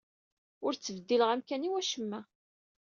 Ur ttbeddileɣ amkan i wacemma.